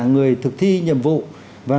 người thực thi nhiệm vụ và